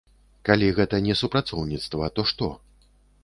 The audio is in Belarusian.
Калі гэта не супрацоўніцтва, то што?